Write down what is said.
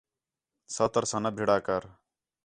سوتر ساں نہ بِھڑا کر